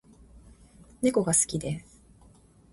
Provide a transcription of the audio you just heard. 猫が好きです